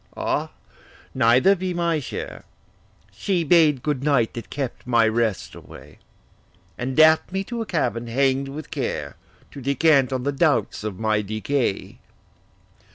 Ah, neither be my share: She bade good night that kept my rest away; And daff'd me to a cabin hang'd with care, To descant on the doubts of my decay.